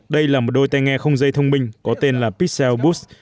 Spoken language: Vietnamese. đây là một đôi tai nghe không dây thông minh có tên là pixel boost